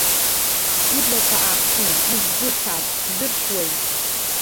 Иблақәа аахтны, иззы, саб, ҳзыршьуеи?